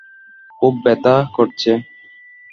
খুব ব্যাথা করছে।